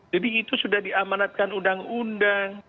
jadi itu sudah diamanatkan undang undang